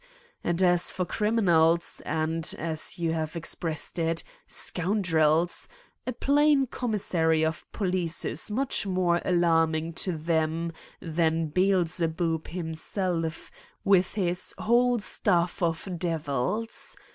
And as for criminals, and. as you have expressed it, scoundrels, a plain commissary of police is much more alarming to them than Beelzebub himself with his whole staff of devils.